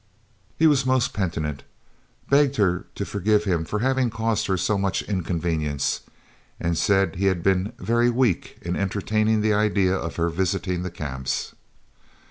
He was most penitent, begged her to forgive him for having caused her so much inconvenience, and said he had been "very weak" in entertaining the idea of her visiting the Camps.